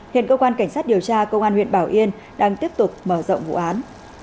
hiện cơ quan cảnh sát điều tra công an huyện bảo yên đang tiếp tục mở rộng vụ án